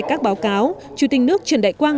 các báo cáo chủ tịch nước trần đại quang